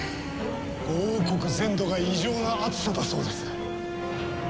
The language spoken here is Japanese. ５王国全土が異常な暑さだそうです。